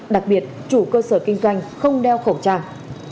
đặc biệt chủ cơ sở kinh doanh không đeo khẩu trang